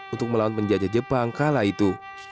untuk melawan penjajah jepang kala itu